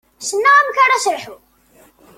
Ssneɣ amek ara s-lḥuɣ.